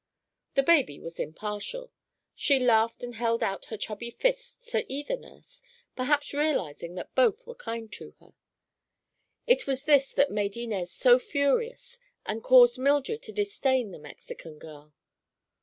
The baby was impartial. She laughed and held out her chubby fists to either nurse, perhaps realizing that both were kind to her. It was this that made Inez so furious and caused Mildred to disdain the Mexican girl.